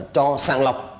cho sàng lọc